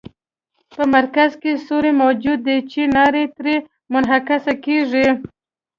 په مرکز کې سوری موجود دی چې رڼا ترې منعکسه کیږي.